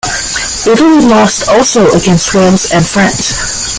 Italy lost also against Wales and France.